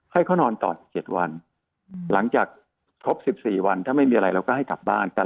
ให้เขานอนต่ออีก๗วันหลังจากครบ๑๔วันถ้าไม่มีอะไรเราก็ให้กลับบ้าน